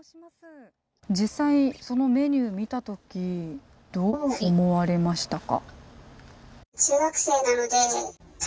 実際そのメニュー見た時どう思われましたか